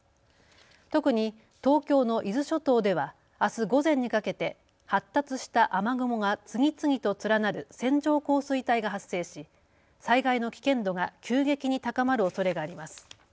特に東京の伊豆諸島ではあす午前にかけて発達した雨雲が次々と連なる線状降水帯が発生し災害の危険度が急激に高まるおそれがあります。